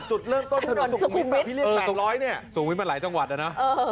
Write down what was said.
จุดเรื่องต้นถนนสุขุมวิทย์สุขุมวิทย์มาหลายจังหวัดแล้วนะ